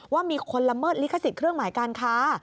ว่ามีคนละเมิดลิขสิทธิ์เครื่องหมายการค้า